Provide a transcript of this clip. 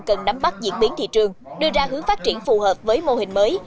cần nắm bắt diễn biến thị trường đưa ra hướng phát triển phù hợp với mô hình mới